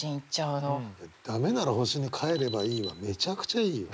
「ダメなら星に帰ればいい」はめちゃくちゃいいよ。